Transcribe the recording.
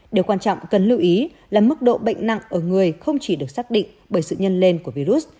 điều quan trọng cần lưu ý là mức độ bệnh nặng ở người không chỉ được xác định bởi sự nhân lên của virus